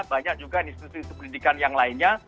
banyak juga institusi institusi pendidikan yang lainnya